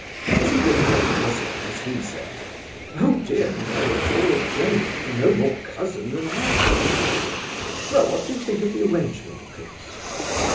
Is he really her cousin, as he says?" "Oh dear no, it's all a joke. No more cousin than I am." "Well, what do you think of the arrangement, prince?"